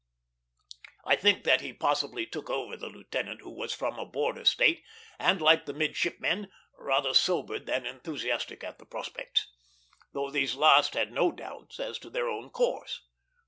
I think that he possibly took over the lieutenant, who was from a border State, and, like the midshipmen, rather sobered than enthusiastic at the prospects; though these last had no doubts as to their own course.